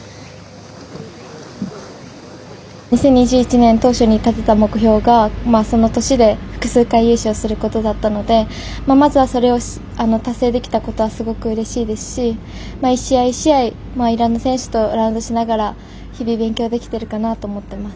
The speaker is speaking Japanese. ２０２１年当初に立てた目標が、その年で複数回優勝することだったのでまずは、それを達成できたことはすごくうれしいですし１試合１試合いろんな選手とラウンドしながら日々勉強できてるかなと思っています。